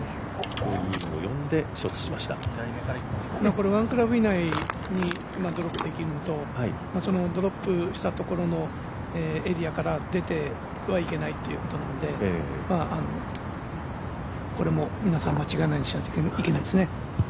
これワンクラブ以内にうまくドロップができるとドロップしたところのエリアから出てはいけないということなのでこれも皆さん間違えないようにしなきゃいけないですね。